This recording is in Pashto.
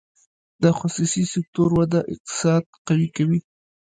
د خصوصي سکتور وده اقتصاد قوي کوي